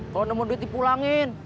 kalau nemu duit dipulangin